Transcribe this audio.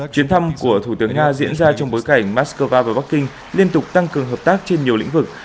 chuyến thăm của thủ tướng nga diễn ra trong bối cảnh moscow và bắc kinh liên tục tăng cường hợp tác trên nhiều lĩnh vực